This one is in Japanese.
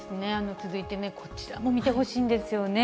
続いてこちらも見てほしいんですよね。